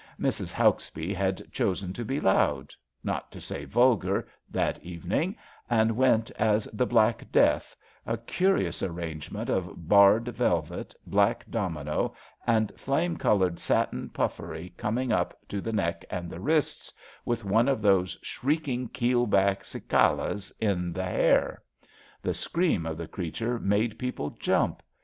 Mrs. Hauks bee had chosen to be loud, not to say vulgar, that evening, and went as The Black Death— a curious arrangement of barred velvet, black domino and flame coloured satin puffery coming up to the neck 150 ABAFT THE FUNNEL and the wrists, with one of those shrieking keel backed cicalas in the hair. The scream of the creatnre made people jump.